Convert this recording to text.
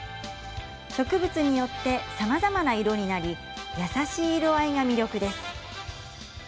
植物によってさまざまな色になり優しい色合いが魅力です。